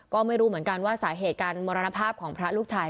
ก็ไม่รู้เหมือนกันว่าสาเหตุการมรณภาพของพระลูกชาย